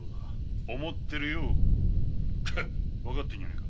思ってるよわかってるじゃねぇか。